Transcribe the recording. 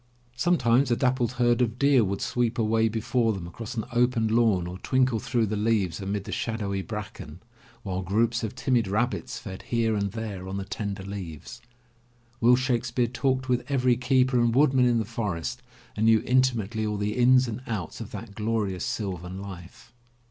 Sometimes a dappled herd of deer would sweep away before them across an open lawn or twinkle through the leaves amid the shadowy bracken, while groups of timid rabbits fed here and there on the tender leaves. Will Shake speare talked with every keeper and woodman in the forest and knew intimately all the ins and outs of that glorious sylvan life.